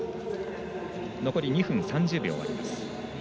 残り２分３０秒あります。